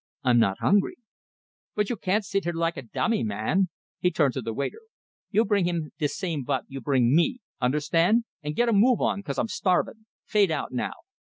I'm not hungry." "But you can't sit here like a dummy, man!" He turned to the waiter. "You bring him de same vot you bring me. Unnerstand? And git a move on, cause I'm starvin'. Fade out now!"